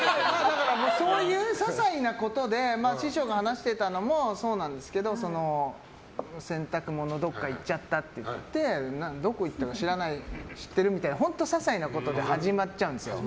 そういう些細なことで師匠が話してたのもそうなんですけど洗濯物どこかいっちゃったって言ってどこ行ったか知ってる？みたいな本当些細なことで始まっちゃうんですよ